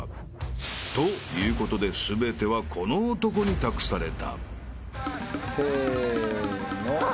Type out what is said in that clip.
［ということで全てはこの男に託された］せの。